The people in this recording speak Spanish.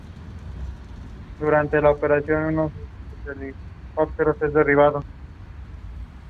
Los alerones del misil además de darle estabilidad sirven de timón para la navegación.